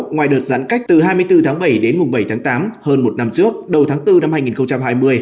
ngoài đợt giãn cách từ hai mươi bốn tháng bảy đến mùng bảy tháng tám hơn một năm trước đầu tháng bốn năm hai nghìn hai mươi